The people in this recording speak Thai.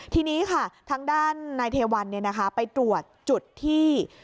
ทีนี้ค่ะทางด้านนายเทวันไปตรวจจุดที่